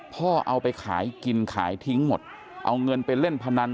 พ่อเอาไปขายกินขายทิ้งหมดเอาเงินไปเล่นพนัน